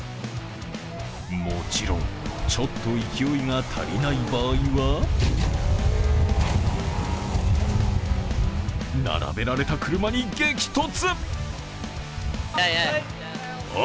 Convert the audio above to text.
もちろん、ちょっと勢いが足りない場合は並べられた車に激突。